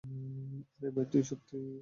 আরে ভাই, তুমি সত্যিই ভাল!